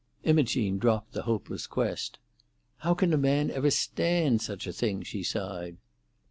Imogene dropped the hopeless quest, "How can a man ever stand such a thing?" she sighed.